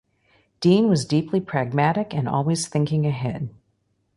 Dean was deeply pragmatic and always thinking ahead.